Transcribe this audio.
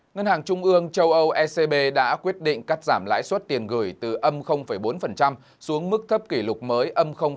ngân hàng trung ương châu âu ecb đã quyết định cắt giảm lãi suất tiền gửi từ bốn xuống mức thấp kỷ lục mới năm